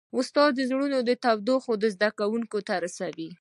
استاد د زړه تودوخه زده کوونکو ته رسوي.